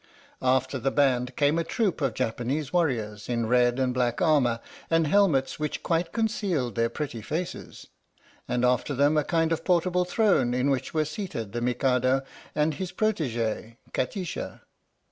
After the band came a troupe of Japanese warriors in red and black armour, and helmets which quite concealed their pretty faces, and after them a kind of portable throne in which were seated the Mikado and his protegee Kati sha.